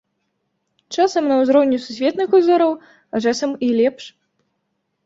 Часам на ўзроўні сусветных узораў, а часам і лепш.